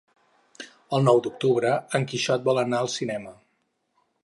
El nou d'octubre en Quixot vol anar al cinema.